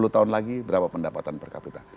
dua puluh tahun lagi berapa pendapatan per kapita